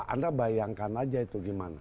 anda bayangkan saja itu bagaimana